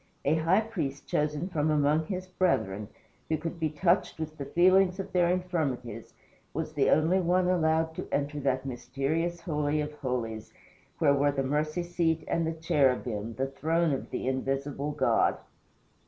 A high priest chosen from among his brethren, who could be touched with the feelings of their infirmities, was the only one allowed to enter that mysterious Holy of Holies where were the mercy seat and the cherubim, the throne of the Invisible God.